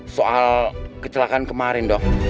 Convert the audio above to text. soal kecelakaan kemaren dok